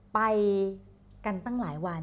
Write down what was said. ไปกันตั้งหลายวัน